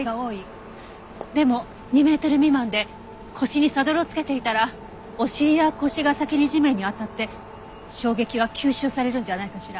でも２メートル未満で腰にサドルをつけていたらお尻や腰が先に地面に当たって衝撃は吸収されるんじゃないかしら。